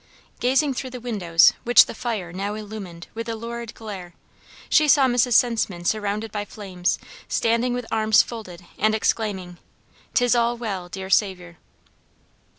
Gazing through the windows which the fire now illumined with a lurid glare, she saw Mrs. Senseman surrounded by flames standing with arms folded and exclaiming "'Tis all well, dear Saviour!"